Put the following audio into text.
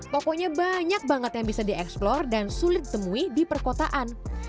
pokoknya banyak banget yang bisa dieksplor dan sulit ditemui di perkotaan